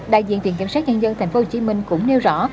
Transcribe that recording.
đại diện viện kiểm sát nhân dân tp hcm cũng nêu rõ